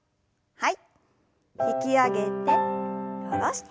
はい。